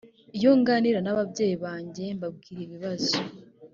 iyo nganira n ababyeyi banjye mbabwira ibibazo